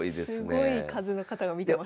すごい数の方が見てますね。